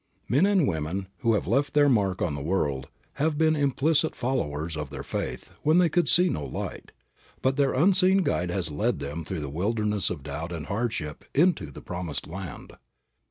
Men and women who have left their mark on the world have been implicit followers of their faith when they could see no light; but their unseen guide has led them through the wilderness of doubt and hardship into the promised land.